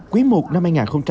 quý i năm hai nghìn hai mươi hai